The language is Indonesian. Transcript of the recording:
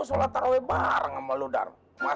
sekarang gue tidur lagi